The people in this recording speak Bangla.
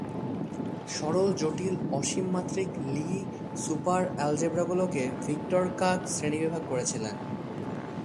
সরল জটিল অসীম-মাত্রিক লি সুপারঅ্যালজেব্রাগুলোকে ভিক্টর কাক শ্রেণীবিভাগ করেছিলেন।